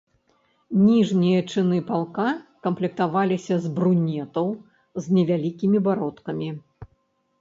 Ніжнія чыны палка камплектаваліся з брунетаў з невялікімі бародкамі.